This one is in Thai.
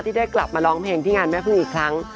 ได้กลับมาร้องเพลงที่งานแม่พึ่งอีกครั้ง